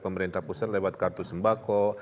pemerintah pusat lewat kartu sembako